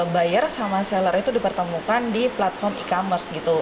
buyer sama seller itu dipertemukan di platform e commerce gitu